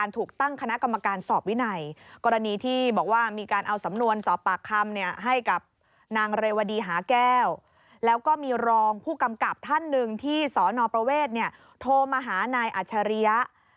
โทรมาหานายอัชริยะ